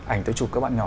ảnh tôi chụp các bạn nhỏ